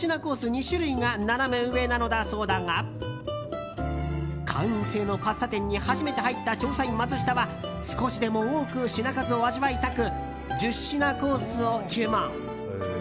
２種類がナナメ上なのだそうだが会員制のパスタ店に初めて入った調査員マツシタは少しでも多く品数を味わいたく１０品コースを注文。